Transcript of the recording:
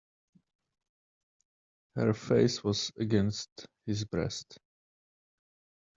Her face was against his breast.